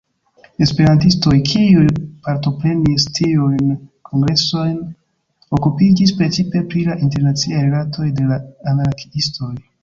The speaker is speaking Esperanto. Esperantistoj, kiuj partoprenis tiujn kongresojn, okupiĝis precipe pri la internaciaj rilatoj de la anarkiistoj.